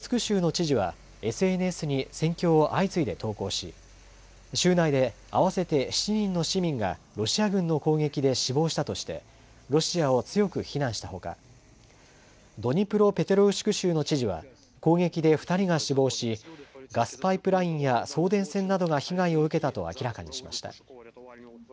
また、ドネツク州の知事は、ＳＮＳに戦況を相次いで投稿し、州内で合わせて７人の市民がロシア軍の攻撃で死亡したとして、ロシアを強く非難したほか、ドニプロペトロウシク州の知事は、攻撃で２人が死亡し、ガスパイプラインや送電線などが被害を受けたと明らかにしました。